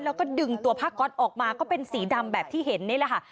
แล้วก็ดึงตัวผ้าก๊อตออกมาก็เป็นสีดำแบบที่เห็นนี่แหละค่ะ